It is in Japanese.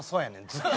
ずっと。